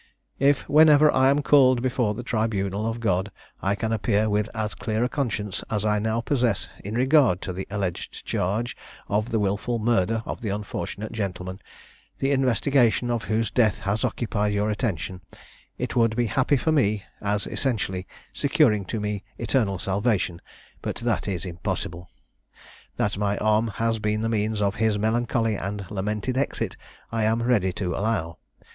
"If, whenever I am called before the tribunal of God, I can appear with as clear a conscience as I now possess in regard to the alleged charge of the wilful murder of the unfortunate gentleman, the investigation of whose death has occupied your attention, it would be happy for me, as essentially securing to me eternal salvation; but that is impossible. That my arm has been the means of his melancholy and lamented exit, I am ready to allow.